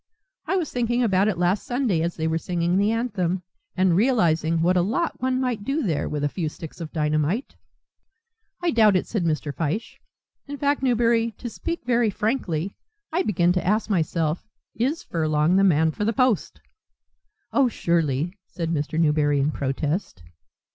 I was thinking about it last Sunday as they were singing the anthem, and realizing what a lot one might do there with a few sticks of dynamite." "I doubt it," said Mr. Fyshe. "In fact, Newberry, to speak very frankly, I begin to ask myself, Is Furlong the man for the post?" "Oh, surely," said Mr. Newberry in protest.